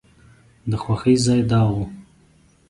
د خوښۍ ځای دا و.